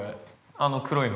◆あの黒いの？